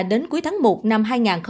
đến cuối tháng một năm hai nghìn hai mươi